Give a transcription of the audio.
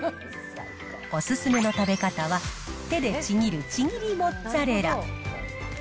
お勧めの食べ方は、手でちぎるちぎりモッツァレラ。